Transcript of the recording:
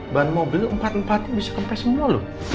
ban mobil empat empatin bisa kempes semua lo